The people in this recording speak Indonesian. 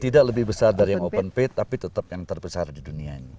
tidak lebih besar dari yang open pit tapi tetap yang terbesar di dunia ini